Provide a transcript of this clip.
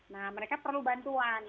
nah mereka perlu bantuan